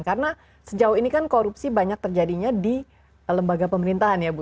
karena sejauh ini kan korupsi banyak terjadinya di lembaga pemerintahan ya bu